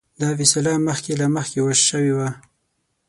دا فیصله مخکې له مخکې شوې وه.